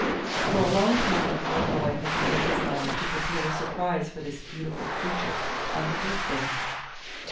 For a long time the Herd boy had made up his mind to prepare a surprise for this beautiful creature on her birthday.